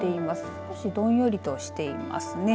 少しどんよりとしていますね。